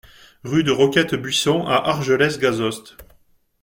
Rue de Roquette Buisson à Argelès-Gazost